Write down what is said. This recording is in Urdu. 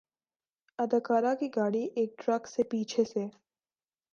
اداکارہ کی گاڑی ایک ٹرک سے پیچھے سے